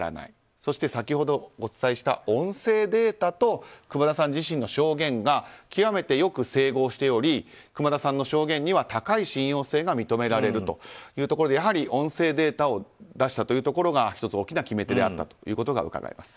そして先ほどお伝えした音声データと熊田さん自身の証言が極めてよく整合しており熊田さんの証言には高い信用性が認められるというところでやはり音声データを出したというところが１つ、大きな決め手であったということがうかがえます。